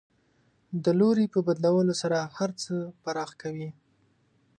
د لوري په بدلولو سره هر څه پراخ کوي.